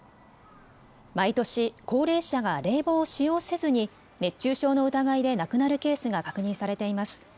毎年、高齢者が冷房を使用せずに熱中症の疑いで亡くなるケースが確認されています。